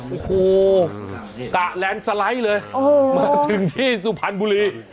โอ้โหกะแลนด์สไลด์เลยมาถึงที่สุพรรณบุรี